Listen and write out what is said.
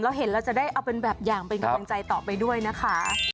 เห็นแล้วจะได้เอาเป็นแบบอย่างเป็นกำลังใจต่อไปด้วยนะคะ